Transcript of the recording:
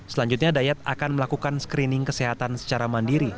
selanjutnya dayat akan melakukan screening kesehatan secara mandiri